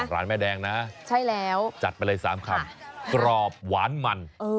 ร้านแม่แดงนะใช่แล้วจัดไปเลย๓คำกรอบหวานมัน